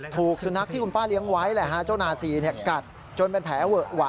ถูกสุนัขที่คุณป้าเลี้ยงไว้เจ้านาซีกัดจนเป็นแผลเวอะหวะ